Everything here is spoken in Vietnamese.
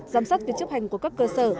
giám sát việc chấp hành của các cơ sở